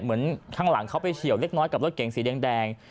เหมือนข้างหลังเขาไปเฉียวเล็กน้อยกับรถเก๋งสีแดง